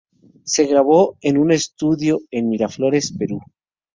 Se grabó en un estudio en Miraflores, Perú.